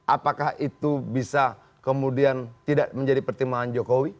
apakah itu bisa kemudian tidak menjadi pertimbangan jokowi